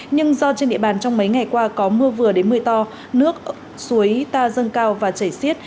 nhưng do trên địa bàn trong mấy ngày qua có mưa vừa đến mưa to nước suối ta dâng cao và chảy xiết